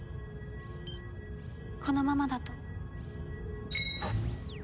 このままだと。